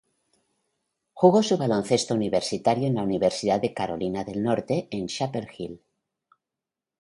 Jugo su baloncesto universitario en la Universidad de Carolina del Norte en Chapel Hill.